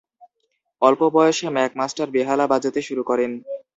অল্প বয়সে ম্যাকমাস্টার বেহালা বাজাতে শুরু করেন।